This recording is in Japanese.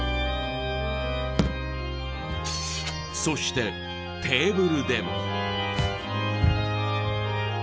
そしてテーブルでも。